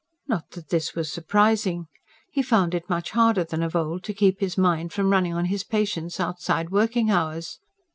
Not that this was surprising; he found it much harder than of old to keep his mind from running on his patients outside working hours.